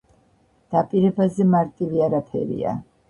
დაპირებაზე მარტივი არაფერია.